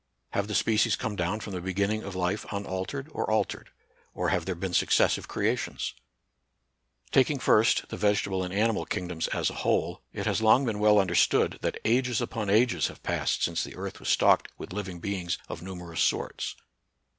Have the species come down from the begin ning of life, unaltered or altered ; or have there been successive creations ? Taking first the vegetable and animal king doms as a whole, it has long been well under stood that ages upon ages have passed since the earth was stocked with living beings of numerous sorts.